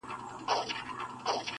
• د خرڅ خوراک د برابرولو لپاره -